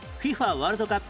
ワールドカップ